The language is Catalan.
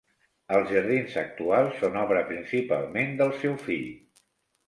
Els jardins actuals són obra principalment del seu fill.